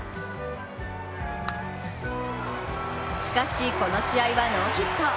しかし、この試合はノーヒット。